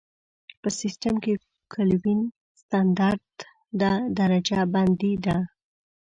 په سیسټم کې کلوین ستندرده درجه بندي ده.